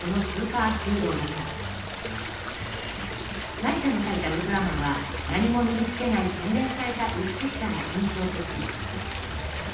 成田の描いたウルトラマンは何も身につけない洗練された美しさが印象的。